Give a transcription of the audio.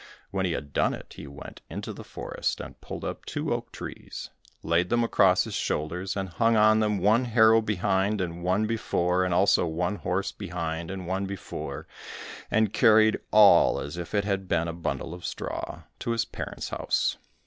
When he had done it, he went into the forest, and pulled up two oak trees, laid them across his shoulders, and hung on them one harrow behind and one before, and also one horse behind and one before, and carried all as if it had been a bundle of straw, to his parents' house.